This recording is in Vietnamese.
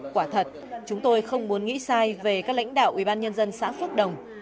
quả thật chúng tôi không muốn nghĩ sai về các lãnh đạo ubnd xã phước đồng